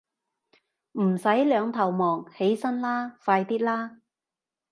唔使兩頭望，起身啦，快啲啦